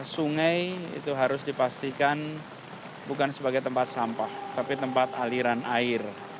sungai itu harus dipastikan bukan sebagai tempat sampah tapi tempat aliran air